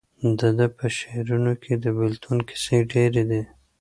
د ده په شعرونو کې د بېلتون کیسې ډېرې دي.